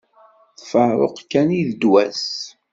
D faruq kan i d ddwa-s.